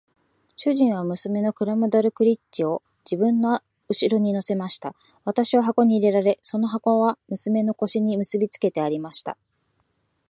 主人は娘のグラムダルクリッチを自分の後に乗せました。私は箱に入れられ、その箱は娘の腰に結びつけてありました。